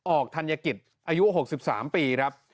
ออกธัญกิจอายุ๖๓ปี